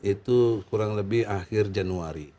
itu kurang lebih akhir januari